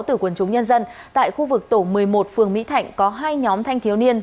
từ quần chúng nhân dân tại khu vực tổ một mươi một phường mỹ thạnh có hai nhóm thanh thiếu niên